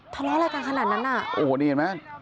เทอะไรกันขนาดนั้นน่ะ